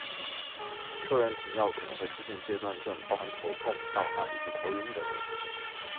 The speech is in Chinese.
骤然停药可能会出现戒断症，包含头痛、盗汗，以及头晕等等。